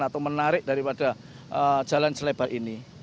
atau menarik daripada jalan selebar ini